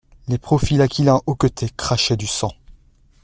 Les profils aquilins hoquetaient, crachaient du sang.